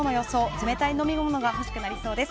冷たい飲み物が欲しくなりそうです。